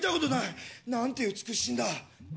何て美しいんだ！